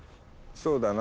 そうだなあ